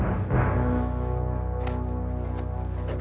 aku harus melayanginya dengan baik